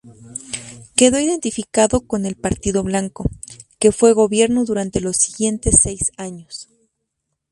Quedó identificado con el partido blanco, que fue gobierno durante los siguientes seis años.